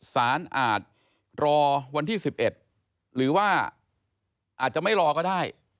อาจรอวันที่๑๑หรือว่าอาจจะไม่รอก็ได้